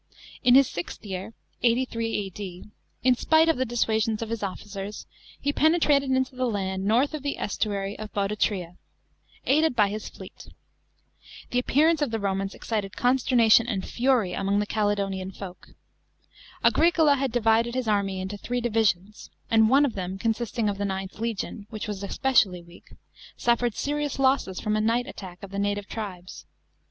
In his sixth year (83 A.D.), in spite of the dissuasions of his officers, he penetrated into the land north of the sestuary of Bodotria, aich d by his fleet. The appearance of the Romans excited consternation and fury among the Caledonian folk. Auricola had divided his army into three divisions, and one of them, consisting of the IXth legion, which was especially weak, suffered S"rious losses from a night attack of the native tribes.